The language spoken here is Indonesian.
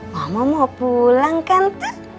mama mau pulang kan